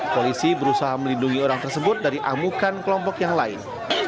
polisi berusaha melindungi orang tersebut dari amukan kelompok yang lain